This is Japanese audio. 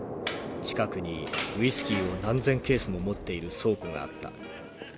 近くにウイスキーを何千ケースも持っている倉庫があった。